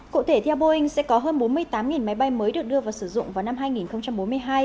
cụ thể theo boeing sẽ có hơn bốn mươi tám máy bay mới được đưa vào sử dụng vào năm hai nghìn bốn mươi hai